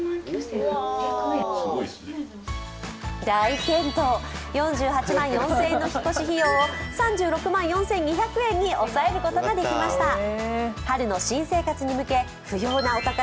大健闘、４８万４０００円の引っ越し費用を３６万４２００円に抑えることができました。